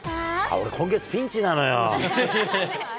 俺、今月ピンチなのよ。